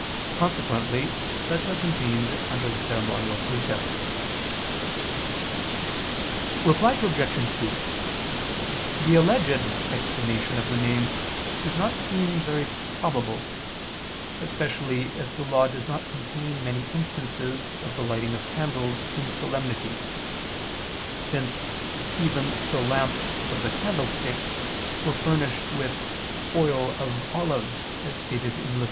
Consequently such are contained under the ceremonial precepts. Reply Obj. 2: The alleged explanation of the name does not seem very probable: especially as the Law does not contain many instances of the lighting of candles in solemnities; since, even the lamps of the Candlestick were furnished with "oil of olives," as stated in Lev.